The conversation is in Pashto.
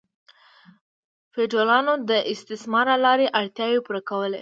فیوډالانو د استثمار له لارې اړتیاوې پوره کولې.